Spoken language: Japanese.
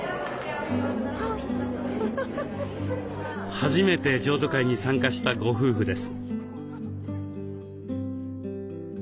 初めて譲渡会に参加したご夫婦です。